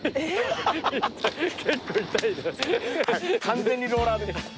完全にローラーです。